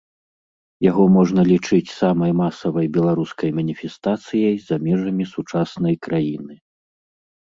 Яго можна лічыць самай масавай беларускай маніфестацыяй за межамі сучаснай краіны.